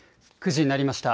９時になりました。